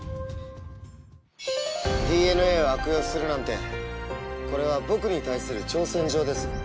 ＤＮＡを悪用するなんてこれは僕に対する挑戦状です。